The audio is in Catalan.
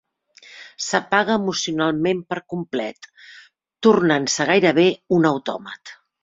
S'apaga emocionalment per complet, tornant-se gairebé un autòmat.